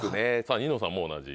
ニノさんも同じ。